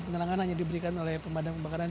penerangan hanya diberikan oleh pemadam kebakaran